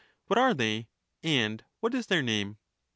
What are they, and what is their name